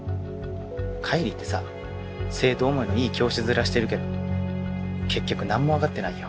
海里ってさ生徒思いのいい教師面してるけど結局何も分かってないよ！